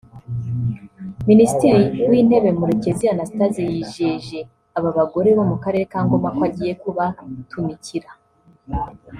Minisitiri w’intebe Murekezi Anastase yijeje aba bagore bo mu Karere ka Ngoma ko agiye kubatumikira